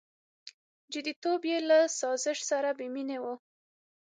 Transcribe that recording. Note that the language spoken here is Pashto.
• جديتوب یې له سازش سره بېمینه و.